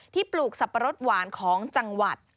ปลูกสับปะรดหวานของจังหวัด